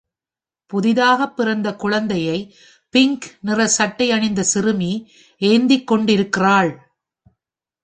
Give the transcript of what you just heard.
புதிதாக பிறந்த குழந்தையை பிங்க் நிற சட்டை அணிந்த சிறுமி ஏந்திக்கொண்டிருக்கிறாள்